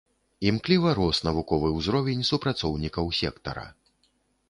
Імкліва рос навуковы ўзровень супрацоўнікаў сектара.